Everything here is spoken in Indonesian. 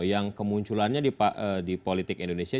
yang kemunculannya di politik indonesia